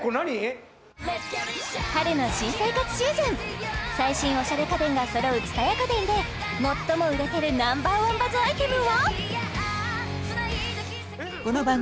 春の新生活シーズン最新オシャレ家電がそろう蔦屋家電で最も売れてるＮｏ．１バズアイテムは？